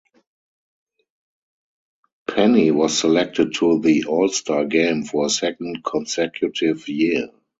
Penny was selected to the All-Star game for a second consecutive year.